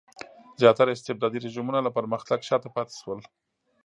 زیاتره استبدادي رژیمونه له پرمختګ شاته پاتې شول.